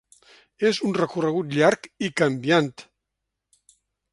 És un recorregut llarg i canviant.